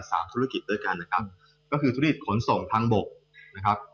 นะครับกลุ่มอุตสาหกรรมขนส่งทางบกนะครับกลุ่มอุตสาหกรรมขนส่งทางบกนะครับ